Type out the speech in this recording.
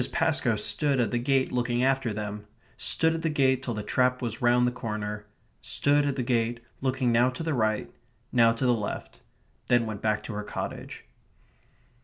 Pascoe stood at the gate looking after them; stood at the gate till the trap was round the corner; stood at the gate, looking now to the right, now to the left; then went back to her cottage.